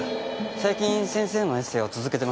最近先生のエッセーを続けてましたよ。